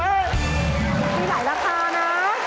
มีหลายราคานะ